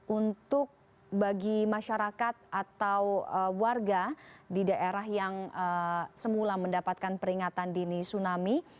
untuk bagi masyarakat atau warga di daerah yang semula mendapatkan peringatan dini tsunami